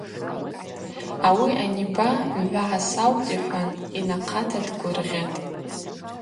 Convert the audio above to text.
Ауи аниба – мгӏва гӏасаутӏ, – йхӏван йнахъата дгвыргъьатӏ.